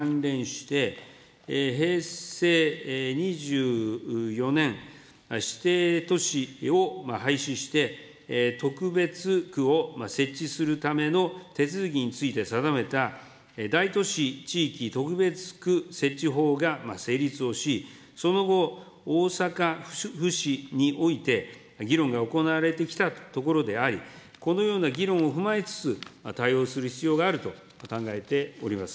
また、広域行政の一元化に関連して、平成２４年、指定都市を廃止して、特別区を設置するための手続きについて定めた、大都市地域特別区設置法が成立をし、その後、大阪府市において、議論が行われてきたところであり、このような議論を踏まえつつ、対応する必要があると考えております。